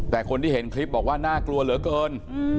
แต่คนที่เห็นคลิปบอกว่าน่ากลัวเหลือเกิน